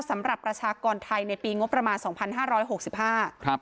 ประชากรไทยในปีงบประมาณสองพันห้าร้อยหกสิบห้าครับ